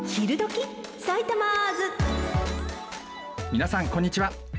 皆さん、こんにちは。